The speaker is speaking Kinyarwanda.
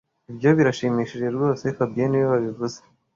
Ibyo birashimishije rwose fabien niwe wabivuze